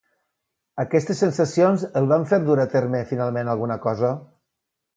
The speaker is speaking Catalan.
Aquestes sensacions el van fer a dur a terme finalment alguna cosa?